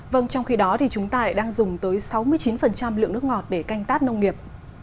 vâng trong khi đó thì chúng ta đang dùng tới sáu mươi chín lượng nước ngọt để canh tác nông nghiệp